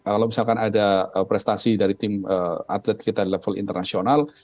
kalau misalkan ada prestasi dari tim atlet kita di level internasional